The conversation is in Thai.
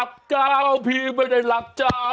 สกิดยิ้ม